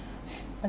và đứng đưa vào